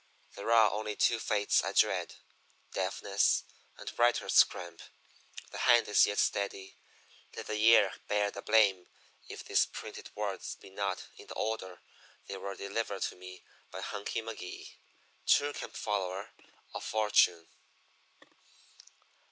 There are only two fates I dread deafness and writer's cramp. The hand is yet steady; let the ear bear the blame if these printed words be not in the order they were delivered to me by Hunky Magee, true camp follower of fortune.